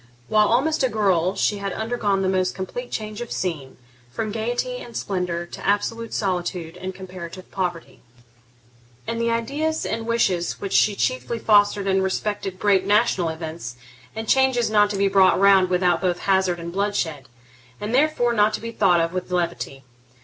While almost a girl she had undergone the most complete change of scene, from gaiety and splendour to absolute solitude and comparative poverty; and the ideas and wishes which she chiefly fostered respected great national events, and changes not to be brought round without both hazard and bloodshed, and therefore not to be thought of with levity.